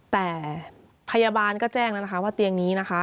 แต่พยาบาลก็แจ้งแล้วนะคะว่าเตียงนี้นะคะ